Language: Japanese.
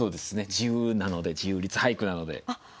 自由なので自由律俳句なので。